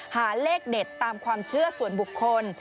หาเลขเด็ดตามความเชื่อส่วนบุคคล